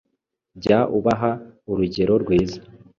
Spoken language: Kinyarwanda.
jya ubaha urugero rwiza